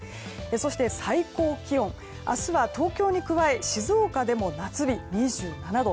そして最高気温明日は東京に加え静岡でも夏日２７度。